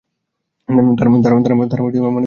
তারা মনে করে নারীরা দুর্বল।